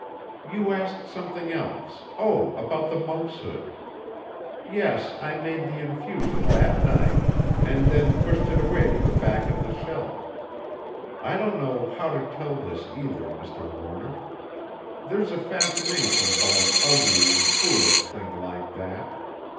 _) "You asked something else oh, about the monkshood. Yes, I made the infusion that night, and then pushed it away to the back of the shelf. I don't know how to tell this either, Mr. Warner. There's a fascination about an ugly and foolish thing like that.